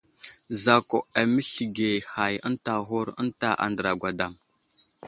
Zakw aməslige hay ənta aghur ənta andra gwadam.